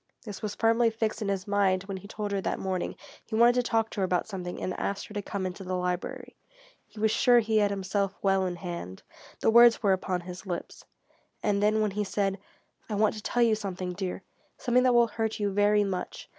This was firmly fixed in his mind when he told her that morning he wanted to talk to her about something and asked her to come into the library. He was sure he had himself well in hand; the words were upon his lips. And then when he said: "I want to tell you something, dear something that will hurt you very much.